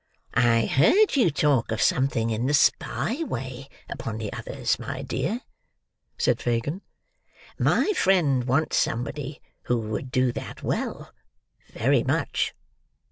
"I heard you talk of something in the spy way upon the others, my dear," said Fagin. "My friend wants somebody who would do that well, very much."